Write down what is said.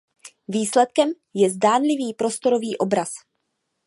Výsledkem je zdánlivý prostorový obraz.